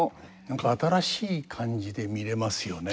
何か新しい感じで見れますよね。